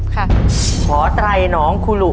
ขอไตรน้องขุหลุ